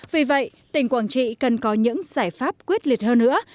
vì vậy tỉnh quảng trị cần có những giải pháp quyết liệt hơn nữa